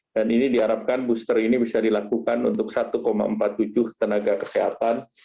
dan ini diharapkan booster ini bisa dilakukan untuk satu empat puluh tujuh tenaga kesehatan